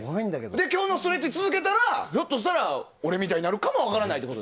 今日のストレッチを続けたらひょっとしたら俺みたいになるかもしれない。